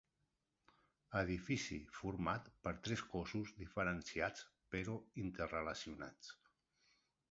Edifici format per tres cossos diferenciats però interrelacionats.